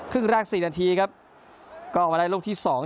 ครึ่งแรกสี่นาทีครับก็มาได้ลูกที่สอง